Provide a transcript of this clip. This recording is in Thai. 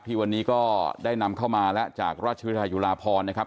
ที่วันนี้ก็ได้นำเข้ามาแล้วจากราชวิทยายุลาพรนะครับ